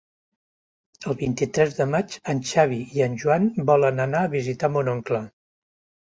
El vint-i-tres de maig en Xavi i en Joan volen anar a visitar mon oncle.